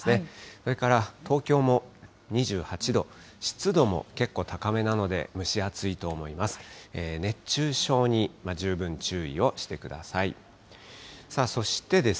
それから東京も２８度、湿度も結構高めなので、蒸し暑いと思います。